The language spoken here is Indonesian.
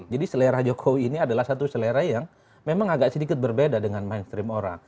jadi selera jokowi ini adalah satu selera yang memang agak sedikit berbeda dengan mainstream orang